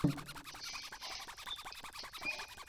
他曾是美国出境频率最高的电视记者之一。